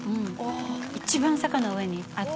一番坂の上にあって。